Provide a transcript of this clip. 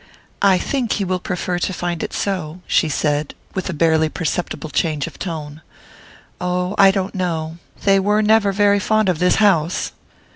"I think he will prefer to find it so," she said, with a barely perceptible change of tone. "Oh, I don't know. They were never very fond of this house."